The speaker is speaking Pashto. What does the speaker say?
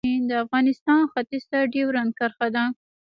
د افغانستان ختیځ ته ډیورنډ کرښه ده